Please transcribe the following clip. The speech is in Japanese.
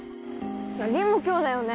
凛も今日だよね？